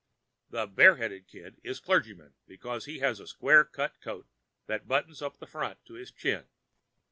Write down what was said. The 'Bare headed' Kid is clergyman because he has a square cut coat that buttons up the front to his chin.